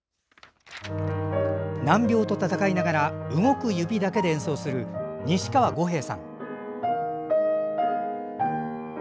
難病と闘いながら動く指だけで演奏する西川悟平さん。